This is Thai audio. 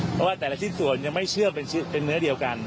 เพราะว่าแต่ละชิ้นส่วนยังไม่เชื่อเป็นเนื้อเดียวกัน